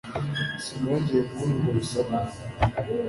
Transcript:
Sinongeye kubona urwo rusaku